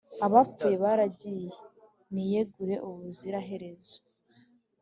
abapfuye baragiye, niyegure ubuziraherezo